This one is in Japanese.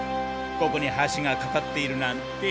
ここに橋がかかっているなんて。